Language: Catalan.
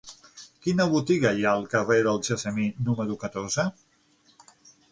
Quina botiga hi ha al carrer del Gessamí número catorze?